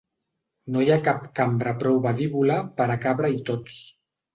No hi ha cap cambra prou badívola per a cabre-hi tots.